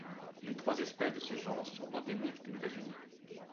Les trois espèces de ce genre sont endémiques des États-Unis.